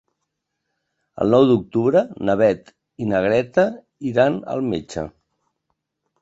El nou d'octubre na Beth i na Greta iran al metge.